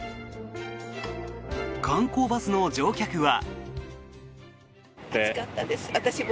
観光バスの乗客は。